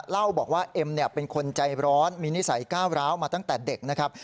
เล่าบอกว่าเอ็มเป็นคนใจร้อนมีนิสัยก้าวร้าวมาตั้งแต่เด็กนะครับ